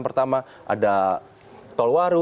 pertama ada tol waru